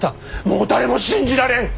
もう誰も信じられん！